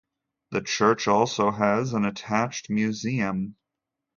The church also has an attached museum.